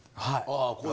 はい。